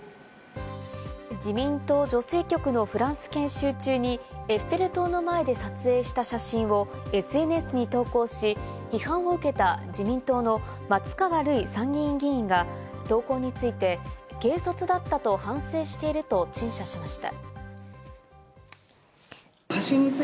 自民党女性局のフランス研修中にエッフェル塔の前で撮影した写真をＳＮＳに投稿し、批判を受けた自民党の松川るい参議院議員が投稿について、軽率だったと反省していると陳謝しました。